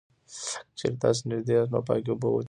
که چېرې تاسو تږی یاست، نو پاکې اوبه وڅښئ.